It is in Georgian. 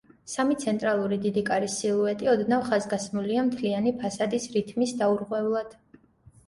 სამი ცენტრალური დიდი კარის სილუეტი ოდნავ ხაზგასმულია მთლიანი ფასადის რითმის დაურღვევლად.